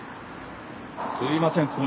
すみません。